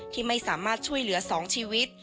ที่ไม่สามารถช่วยเหลือ๒ชีวิต